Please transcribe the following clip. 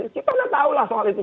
kita nggak tahu lah soal itu